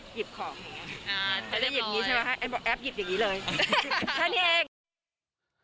หยิบของเขาจะหยิบอย่างงี้ใช่มะคะแอนบอกแอปหยิบอย่างงี้เลย